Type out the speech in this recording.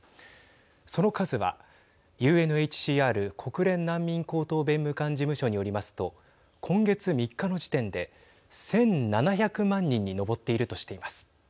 その数は、ＵＮＨＣＲ＝国連難民高等弁務官事務所によりますと今月３日の時点で１７００万人に上っているとしています。